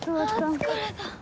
あ疲れた。